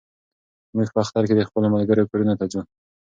موږ په اختر کې د خپلو ملګرو کورونو ته ځو.